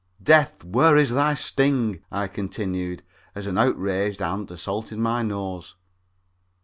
Death, where is thy sting?" I continued, as an outraged ant assaulted my nose.